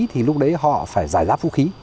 thì lúc đấy họ phải giải giáp vũ khí